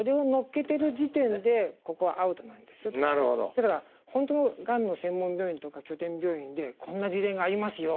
だから本当のがんの専門病院とか拠点病院で「こんな事例がありますよ」